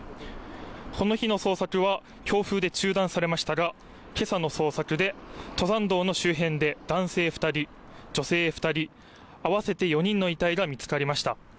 この日の捜索は強風で中断されましたが今朝の捜索で登山道の周辺で男性２人、女性２人、合わせて４人の遺体が見つかりました。